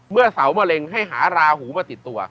เมื่อเสามะเร็งให้หาราหูมาติดตัว